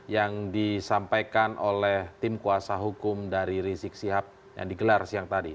yang disampaikan oleh tim kuasa hukum dari rizik sihab yang digelar siang tadi